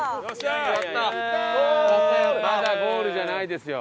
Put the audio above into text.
まだゴールじゃないですよ。